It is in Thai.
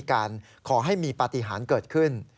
การขอให้มีปฏิหารเกิดขึ้น